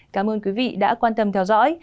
cảm ơn quý vị đã quan tâm theo dõi